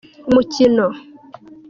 umukino.